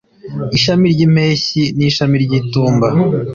ishami ryimpeshyi nishami ryitumba